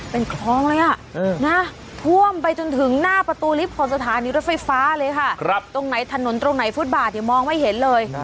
เป็นคลองเลยอ่ะนะท่วมไปจนถึงหน้าประตูลิฟต์ของสถานีรถไฟฟ้าเลยค่ะตรงไหนถนนตรงไหนฟุตบาทเนี่ยมองไม่เห็นเลย